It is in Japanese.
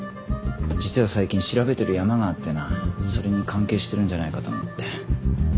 実は最近調べてるヤマがあってなそれに関係してるんじゃないかと思って。